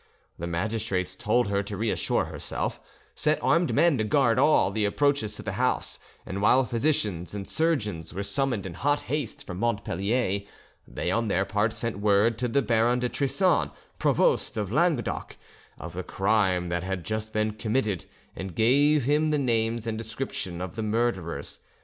The magistrates told her to reassure herself, set armed men to guard all the approaches to the house, and while physicians and surgeons were, summoned in hot haste from Montpellier, they on their part sent word to the Baron de Trissan, provost of Languedoc, of the crime that had just been committed, and gave him the names and the description of the murderers.